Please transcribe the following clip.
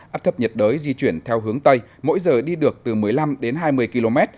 áp thấp nhiệt đới di chuyển theo hướng tây mỗi giờ đi được từ một mươi năm đến hai mươi km